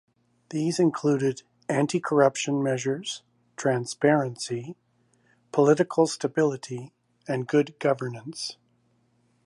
These included anti-corruption measures, transparency, political stability and good governance.